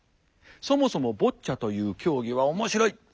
そもそもボッチャという競技は面白い。